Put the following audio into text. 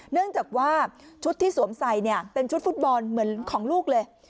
เนื่องจากว่าชุดที่สวมใส่เนี่ยเป็นชุดฟุตบอลเหมือนของลูกเลย